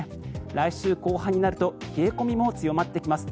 来週後半になると冷え込みも強まってきます。